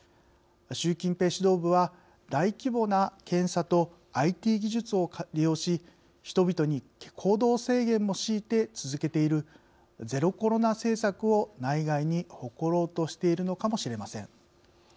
習近平指導部は大規模な検査とＩＴ技術を利用し人々に行動制限も強いて続けているゼロコロナ政策を内外に誇ろうとしているのかもしれません。